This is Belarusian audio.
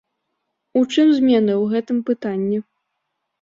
У чым змены ў гэтым пытанні?